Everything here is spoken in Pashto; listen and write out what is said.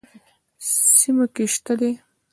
سیموکې شته دي.